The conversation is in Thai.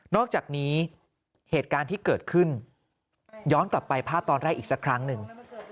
อกจากนี้เหตุการณ์ที่เกิดขึ้นย้อนกลับไปภาพตอนแรกอีกสักครั้งหนึ่ง